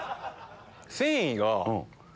繊維が。